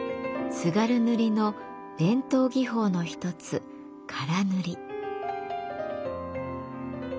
津軽塗の伝統技法のひとつ唐塗。